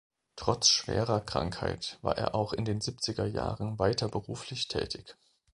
Trotz schwerer Krankheit war er auch in den siebziger Jahren weiter beruflich tätig.